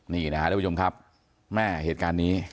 นี่นะครับทุกผู้ชมครับแม่เหตุการณ์นี้